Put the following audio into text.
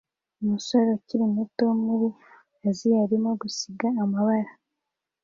Umusore ukiri muto wo muri Aziya arimo gusiga amabara